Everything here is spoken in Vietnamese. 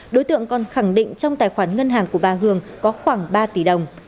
đối tượng còn khẳng định trong tài khoản ngân hàng của bà hường có khoảng ba tỷ đồng